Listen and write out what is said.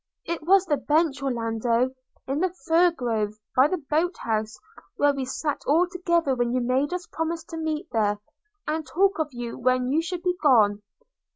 It was the bench, Orlando, in the fir grove, by the boat house, where we sat all together when you made us promise to meet there, and talk of you when you should be gone.